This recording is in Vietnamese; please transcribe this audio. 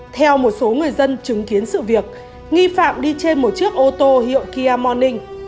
theo một số người dân chứng kiến sự việc nghi phạm đi trên một chiếc ô tô hiệu kia morning